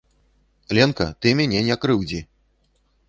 Ленка, ты мяне не крыўдзі!